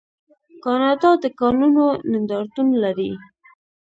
کاناډا د کانونو نندارتون لري.